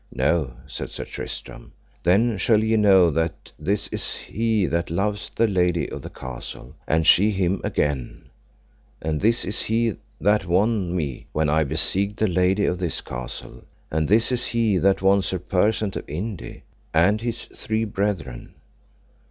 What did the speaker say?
No, said Sir Tristram. Then shall ye know that this is he that loveth the lady of the castle, and she him again; and this is he that won me when I besieged the lady of this castle, and this is he that won Sir Persant of Inde, and his three brethren.